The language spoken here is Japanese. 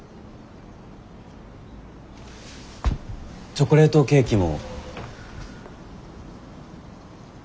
チョコレートケーキも。